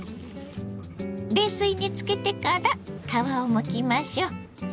冷水につけてから皮をむきましょう。